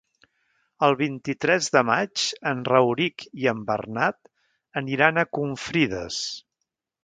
El vint-i-tres de maig en Rauric i en Bernat aniran a Confrides.